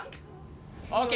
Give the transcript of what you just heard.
ＯＫ